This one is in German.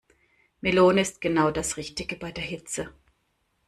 Melone ist genau das Richtige bei der Hitze.